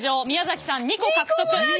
宮崎さん２個獲得。